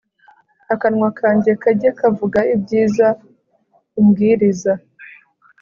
Akanwa kanjye kajye kavuga ibyiza umbwiriza